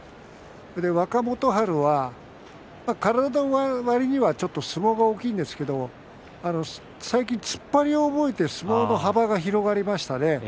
若元春は体のわりには相撲が大きいんですけど最近突っ張りを覚えて相撲の幅が広がりましたね。